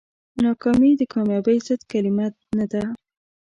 ناکامي د کامیابۍ ضد کلمه نه ده.